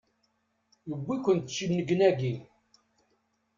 Yewwi-ken-d cennegnagi!